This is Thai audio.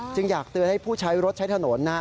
อยากเตือนให้ผู้ใช้รถใช้ถนน